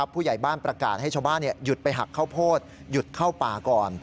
ผู้ใหญ่บ้านประกาศให้ชาวบ้านหยุดไปหักข้าวโพดหยุดเข้าป่าก่อน